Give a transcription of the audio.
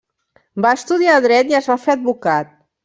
Va estudiar Dret i es va fer advocat.